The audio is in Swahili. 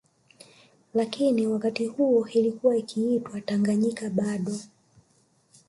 Lakini wakati huo ilikuwa ikiitwa Tanganyika bado